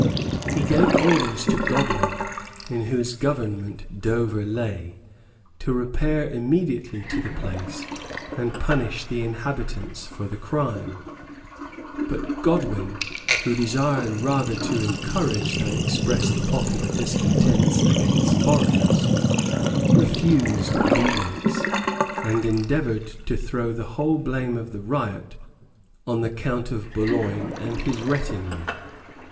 He gave orders to Godwin, in whose government Dover lay, to repair immediately to the place, and to punish the inhabitants for tne crime; but Godwin, who desired rather to encourage than express the popular discontents against foreigners, refused obedience, and endeavored to throw the whole blame of the riot on the count of Boulogne and his retinue.